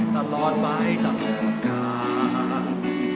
ตลอดไปตลอดกาล